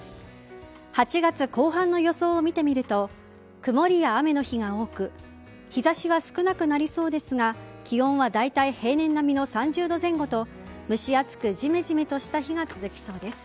８月後半の予想を見てみると曇りや雨の日が多く日差しは少なくなりそうですが気温は大体平年並みの３０度前後と蒸し暑く、じめじめとした日が続きそうです。